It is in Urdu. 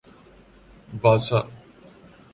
باسا